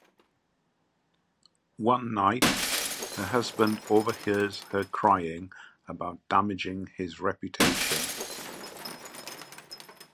One night, her husband overhears her crying about damaging his reputation.